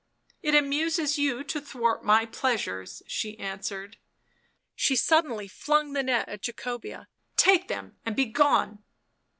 " It amuses you to thwart my pleasures," she answered. She suddenly flung the net at Jacobea. " Take them and begone."